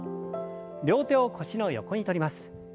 両手を腰の横にとります。